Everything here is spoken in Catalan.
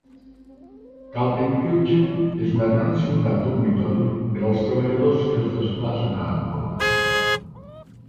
Kaltenkirchen és una gran ciutat dormitori per als treballadors que es desplacen a Hamburg.